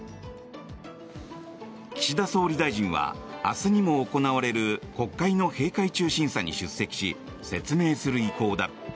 岸田総理大臣は明日にも行われる国会の閉会中審査に出席し説明する意向だ。